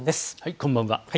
こんばんは。